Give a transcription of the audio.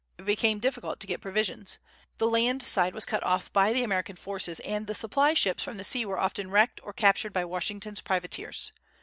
It became difficult to get provisions. The land side was cut off by the American forces, and the supply ships from the sea were often wrecked or captured by Washington's privateers.